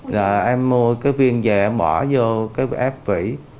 là em mua cái viên về em bỏ vô cái ép vỉ